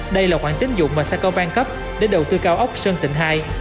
đây là khoản tính dụng mà sa công bang cấp để đầu tư cao ốc sơn thịnh hai